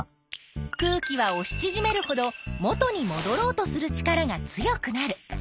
空気はおしちぢめるほど元にもどろうとする力が強くなる。